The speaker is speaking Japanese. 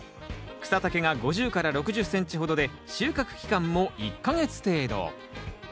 草丈が５０６０ｃｍほどで収穫期間も１か月程度。